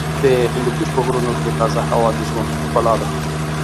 د هندوکش په غرونو کې تازه هوا د ژوند ښکلا ده.